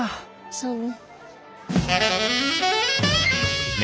そうね。